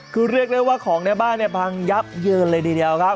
คือเรียกได้ว่าของในบ้านเนี่ยพังยับเยินเลยทีเดียวครับ